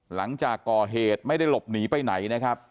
หลังจากก่อเหตุไม่ได้หลบหนีไปไหนนะครับ